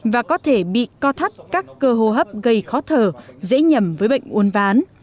và có thể bị co thắt các cơ hô hấp gây khó thở dễ nhầm với bệnh uốn ván